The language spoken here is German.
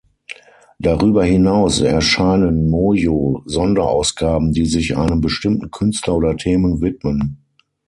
Darüber hinaus erscheinen Mojo Sonderausgaben, die sich einem bestimmten Künstler oder Themen widmen.